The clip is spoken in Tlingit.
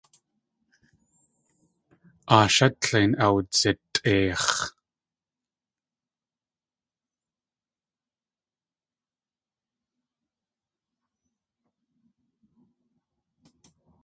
Aashát tlein awdzitʼeix̲.